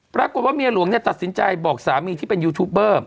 ปรากฏว่าเมียหลวงตัดสินใจบอกสามีที่เป็นยูทูปเบอร์